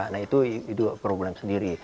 nah itu problem sendiri